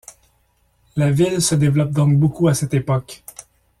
La ville se développe donc beaucoup à cette époque.